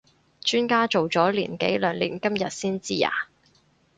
磚家做咗年幾兩年今日先知呀？